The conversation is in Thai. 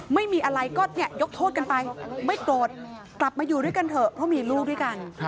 ไม่มีอะไรก็ยกโทษกันไปไม่โกรธกลับมาอยู่ด้วยกันเถอะเพราะมีลูกด้วยกัน